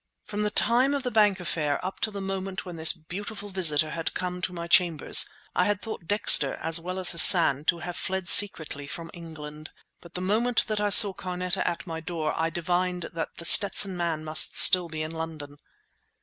From the time of the bank affair up to the moment when this beautiful visitor had come to my chambers I had thought Dexter, as well as Hassan, to have fled secretly from England. But the moment that I saw Carneta at my door I divined that The Stetson Man must still be in London.